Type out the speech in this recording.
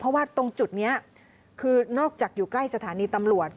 เพราะว่าตรงจุดนี้คือนอกจากอยู่ใกล้สถานีตำรวจ